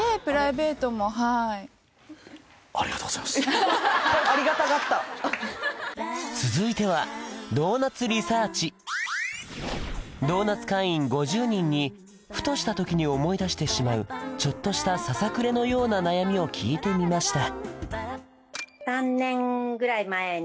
何かありがたがった続いてはドーナツ会員５０人にふとした時に思い出してしまうちょっとしたささくれのような悩みを聞いてみました